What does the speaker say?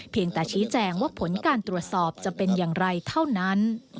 แต่ชี้แจงว่าผลการตรวจสอบจะเป็นอย่างไรเท่านั้น